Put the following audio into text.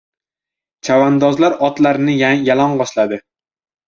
Chavandozlar otlarini yalang‘ochladi.